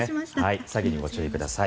詐欺にご注意ください。